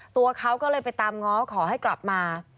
ตัวเขาก็เลยไปตามง้อขอให้กลับมา